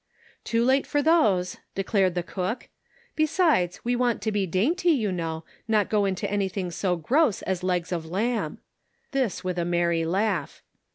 "Too late for those," declared the cook; " besides, we want to be dainty, you know, not go into anything so gross as legs of lamb." This with . a merry laugh.